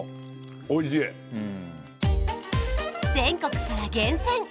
全国から厳選！